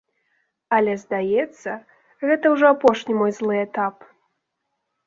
Але здаецца, гэта ўжо апошні мой злы этап.